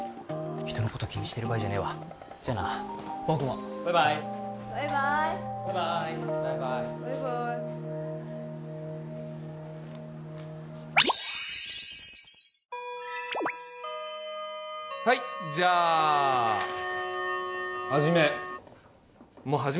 人のこと気にしてる場合じゃねえわじゃあなバイバイ僕もバイバーイバイバーイはいじゃあ始め